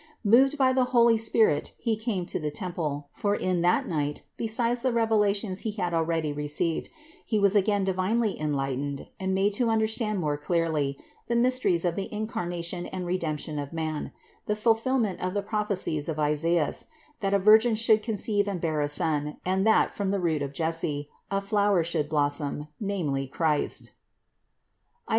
Moved by the holy Spirit he came to the temple; for in that night, besides the revelations he had already received, he was again divinely enlightened and made to understand more clearly the mysteries of the Incarnation and Redemption of man, the fulfillment of the prophecies of Isaias, that a Virgin should conceive and bear a Son and that from the root THE INCARNATION 503 of Jesse a flower should blossom, namely Christ (Is.